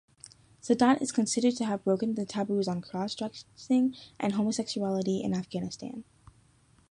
Sadat is considered to have broken the taboos on cross-dressing and homosexuality in Afghanistan.